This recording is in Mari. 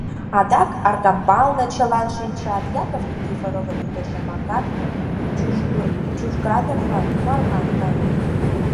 Адак Аркамбалне чылан шинчат, Яков Никифоровын ӱдыржӧ Макар Чужгановлан марлан каен...